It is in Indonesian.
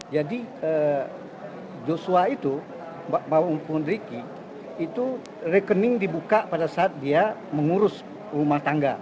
jadi yosua itu maupun riki itu rekening dibuka pada saat dia mengurus rumah tangga